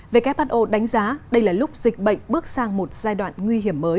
về các who đánh giá đây là lúc dịch bệnh bước sang một giai đoạn nguy hiểm mới